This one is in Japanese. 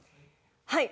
はい。